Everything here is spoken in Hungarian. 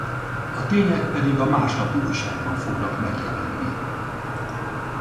A tények pedig a másnapi újságban fognak megjelenni.